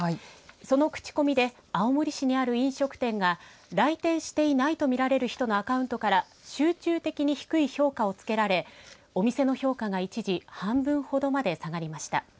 そのクチコミで青森市にある飲食店が来店していないと見られる人のアカウントから集中的に低い評価をつけられお店の評価が一時半分ほどまで下がりました。